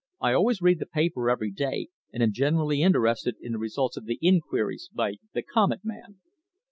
I always read the paper every day, and am generally interested in the results of the inquiries by the Comet man.